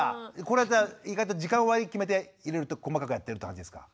これはじゃあ意外と時間割決めていろいろと細かくやってるって感じですか？